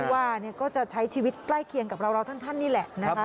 ว่าก็จะใช้ชีวิตใกล้เคียงกับเราท่านนี่แหละนะคะ